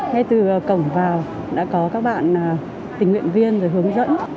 ngay từ cổng vào đã có các bạn tình nguyện viên rồi hướng dẫn